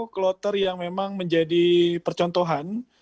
kloter yang memang menjadi percontohan